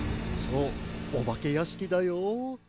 そうおばけやしきだよ。